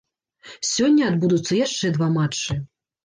Сёння адбудуцца яшчэ два матчы.